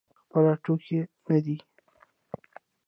خپل ټوکي نه دی.